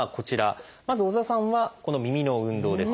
まず織田さんはこの「耳の運動」です。